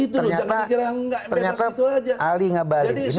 ternyata ali ngebalik